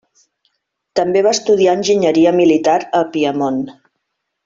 També va estudiar enginyeria militar a Piemont.